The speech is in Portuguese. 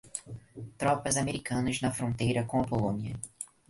Tropas americanas na fronteira com a Polônia